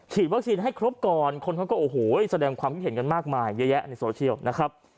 วัคซีนให้ครบก่อนคนเขาก็โอ้โหแสดงความคิดเห็นกันมากมายเยอะแยะในโซเชียลนะครับ